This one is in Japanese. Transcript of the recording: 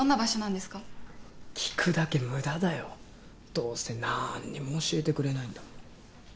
どうせなんにも教えてくれないんだもん。